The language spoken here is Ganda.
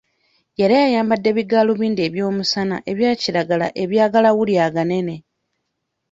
Yali ayambadde bigaalubindi eby'omusana ebya kiragala eby'agalawuli aganene.